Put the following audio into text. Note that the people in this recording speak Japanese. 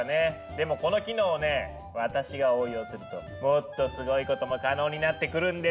でもこの機能をね私が応用するともっとすごいことも可能になってくるんですよ。